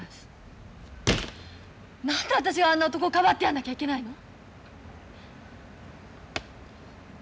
何で私があんな男をかばってやんなきゃいけないの！？